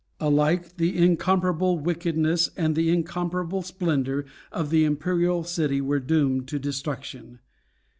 Alike "the incomparable wickedness and the incomparable splendor" of the Imperial City were doomed to destruction.